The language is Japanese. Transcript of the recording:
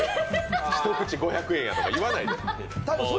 １口５００円やって言わない。